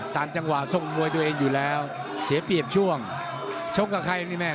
จังหวะทรงมวยตัวเองอยู่แล้วเสียเปรียบช่วงชกกับใครนี่แม่